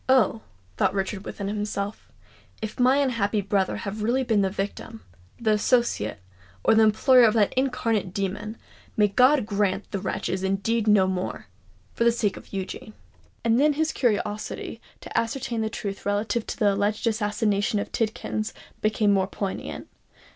"Oh!" thought Richard within himself, "if my unhappy brother have really been the victim, the associate, or the employer of that incarnate demon, may God grant that the wretch is indeed no more—for the sake of Eugene!" And then his curiosity to ascertain the truth relative to the alleged assassination of Tidkins, became more poignant.